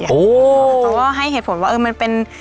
เพราะว่าให้เหตุผลว่าเออมันเป็น